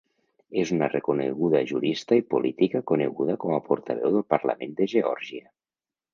És una reconeguda jurista i política coneguda com a portaveu del parlament de Geòrgia.